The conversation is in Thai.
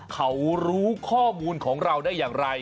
เขารู้ข้อมูลของเราได้อย่างไร